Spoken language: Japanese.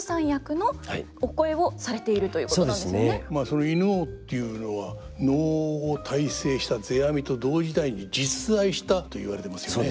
その犬王というのは能を大成した世阿弥と同時代に実在したといわれてますよね。